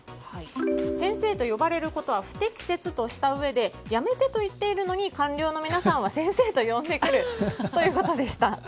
先生と呼ばれることは不適切としたうえでやめてと言っているのに官僚の皆さんは先生と呼んでくるということでした。